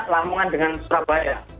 lamungan dengan surabaya